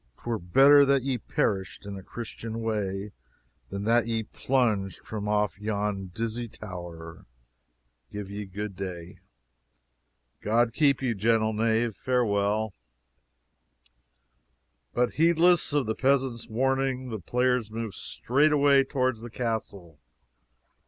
'Twere better that ye perished in a Christian way than that ye plunged from off yon dizzy tower. Give ye good day." "God keep ye, gentle knave farewell." But heedless of the peasant's warning, the players moved straightway toward the castle.